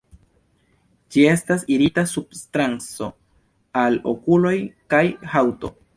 Ĝi estas irita substanco al okuloj kaj haŭto.